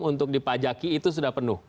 untuk dipajaki itu sudah penuh